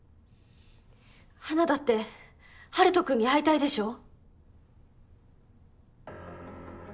花だって陽斗君に会いたいでしょう？